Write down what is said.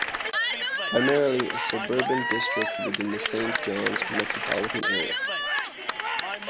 Primarily a suburban district within the Saint John's Metropolitan Area.